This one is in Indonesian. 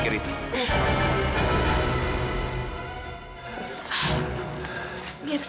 buat bantu blues